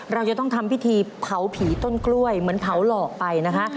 เราจะต้องทำพิธีเผาผีต้นกล้วยเหมือนเผาหลอกไปนะคะ